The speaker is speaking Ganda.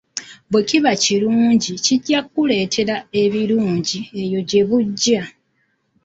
Bwe kiba ekilungi kijja kukuleetera ebilungi eyo gye bujja.